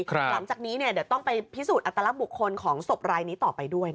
หลังจากนี้เดี๋ยวต้องไปพิสูจน์อัตลักษณ์บุคคลของศพรายนี้ต่อไปด้วยนะคะ